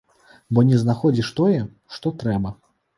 Бо не знаходзіш тое, што трэба.